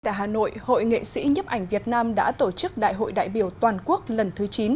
tại hà nội hội nghệ sĩ nhấp ảnh việt nam đã tổ chức đại hội đại biểu toàn quốc lần thứ chín